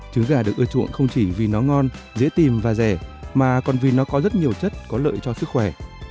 trứng gà được ưa chuộng không chỉ vì nó ngon dễ tìm và rẻ mà còn vì nó có rất nhiều chất có lợi cho sức khỏe